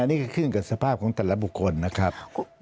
อันนี้ก็ขึ้นกับสภาพของแต่ละบุคคลนะครับ